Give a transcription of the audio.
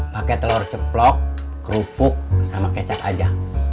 pakai telur ceplok kerupuk sama kecap aja